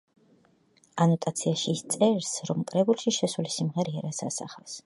ანოტაციაში ის წერს, რომ კრებულში შესული სიმღერები მის ცხოვრებასა და კარიერას ასახავს.